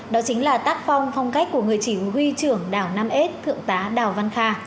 đó chính là tác phong phong cách của người chỉ huy trưởng đảo nam ết thượng tá đào văn kha